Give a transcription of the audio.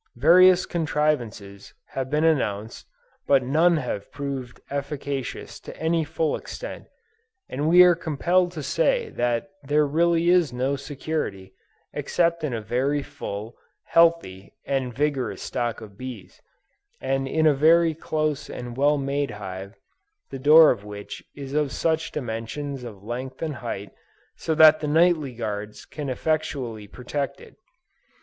Various contrivances have been announced, but none have proved efficacious to any full extent, and we are compelled to say that there really is no security, except in a very full, healthy and vigorous stock of bees, and in a very close and well made hive, the door of which is of such dimensions of length and height, that the nightly guards can effectually protect it.